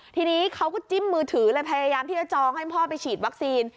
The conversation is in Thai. ทีนี้เขาก็จิ้มมือถือเลยพยายามที่จะจองให้พ่อไปฉีดวัคซีน